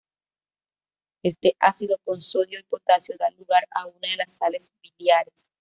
Este ácido con sodio y potasio da lugar a una de las sales biliares.